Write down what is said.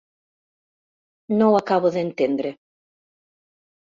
No ho acabo d'entendre.